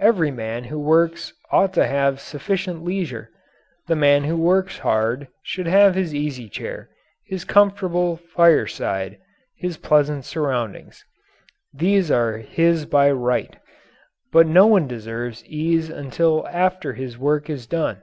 Every man who works ought to have sufficient leisure. The man who works hard should have his easy chair, his comfortable fireside, his pleasant surroundings. These are his by right. But no one deserves ease until after his work is done.